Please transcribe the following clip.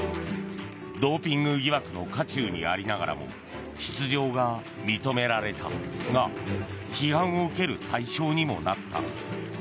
ドーピング疑惑の渦中にありながらも出場が認められたが批判を受ける対象にもなった。